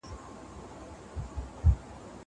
زه کولای سم انځور وګورم.